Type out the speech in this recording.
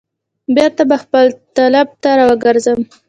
بیرته به خپل طلب ته را وګرځم.